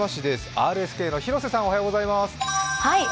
ＲＳＫの廣瀬さんおはようございます。